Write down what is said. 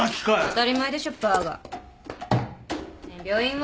当たり前でしょバカ。ねえ病院は？